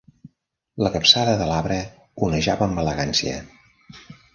La capçada de l'arbre onejava amb elegància.